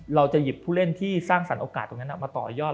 เราจะหยิบผู้เล่นที่สร้างสรรคโอกาสตรงนั้นมาต่อยอด